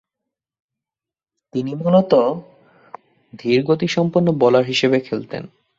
তিনি মূলতঃ ধীরগতিসম্পন্ন বোলার হিসেবে খেলতেন।